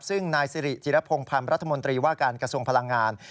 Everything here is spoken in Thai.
ซึ่งนายสิริจิรพงศ์พันธ์รัฐมนตรีว่าการกระทรวงพลังงาน